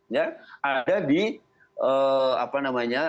nah karena itu tanggung jawabnya